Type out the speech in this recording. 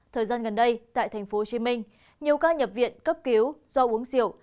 thời gian gần đây tại tp hcm nhiều ca nhập viện cấp cứu do uống rượu